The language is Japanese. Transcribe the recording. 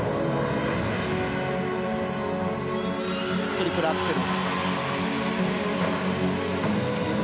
トリプルアクセル。